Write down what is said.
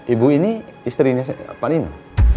ibu ini istrinya pak nino